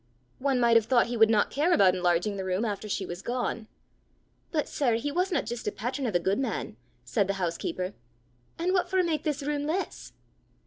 "One might have thought he would not care about enlarging the room after she was gone!" "But, sir, he wasna jist sic a pattren o' a guidman;" said the housekeeper. "An' what for mak this room less?"